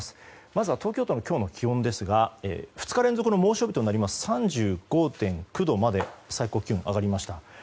まずは東京都の今日の気温ですが２日連続の猛暑日となる３５．９度まで最高気温が上がりました。